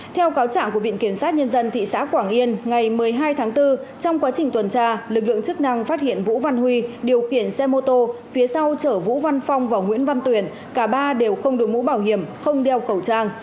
trong quá trình tuần tra lực lượng chức năng phát hiện vũ văn huy điều kiện xe mô tô phía sau chở vũ văn phong vào nguyễn văn tuyển cả ba đều không đồ mũ bảo hiểm không đeo khẩu trang